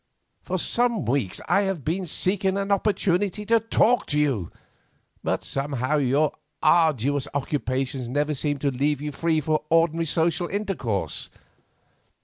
For some weeks I have been seeking an opportunity to talk to you; but somehow your arduous occupations never seem to leave you free for ordinary social intercourse."